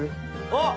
あっ！